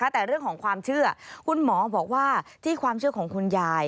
แต่เรื่องของความเชื่อคุณหมอบอกว่าที่ความเชื่อของคุณยาย